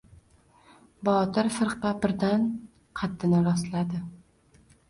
Botir firqa birdan... qaddini rostladi.